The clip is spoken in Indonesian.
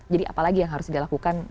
jadi apalagi yang harus dilakukan